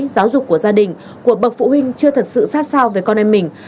giáo dục của gia đình của bậc phụ huynh chưa thật sự sát sao về con em mình